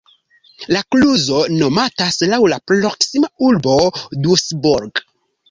La kluzo nomatas laŭ la proksima urbo Duisburg.